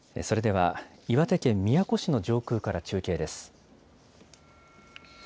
それでは、岩手県宮古市の上空から中継です。